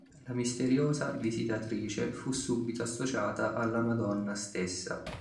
La misteriosa visitatrice fu subito associata alla Madonna stessa.